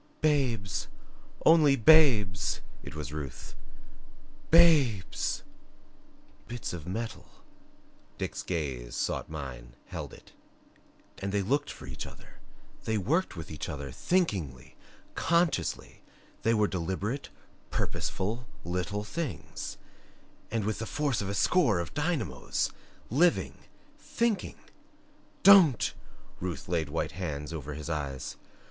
"Babes! Only babes!" It was Ruth "BABES!" "Bits of metal" Dick's gaze sought mine, held it "and they looked for each other, they worked with each other THINKINGLY, CONSCIOUSLY they were deliberate, purposeful little things and with the force of a score of dynamos living, THINKING " "Don't!" Ruth laid white hands over his eyes.